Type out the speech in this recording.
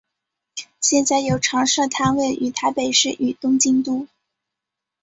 现在有常设摊位于台北市与东京都。